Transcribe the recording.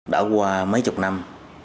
đã qua mấy chục năm